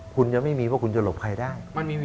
คุณจะไม่มีว่าคุณจะหลบใครได้